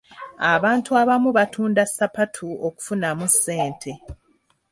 Abantu abamu batunda ssapatu okufunamu ssente.